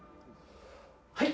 はい！